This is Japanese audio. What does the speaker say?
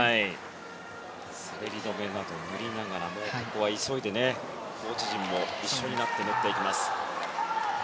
滑り止めなどを塗りながらも、ここは急いでコーチ陣も一緒になって塗っていきます。